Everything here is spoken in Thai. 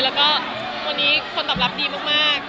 แล้วก็วันนี้คนตอบรับดีมาก